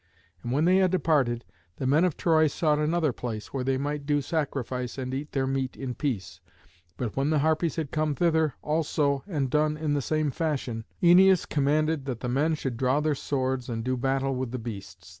And when they had departed, the men of Troy sought another place where they might do sacrifice and eat their meat in peace. But when the Harpies had come thither also and done in the same fashion, Æneas commanded that the men should draw their swords and do battle with the beasts.